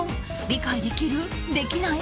理解できる？できない？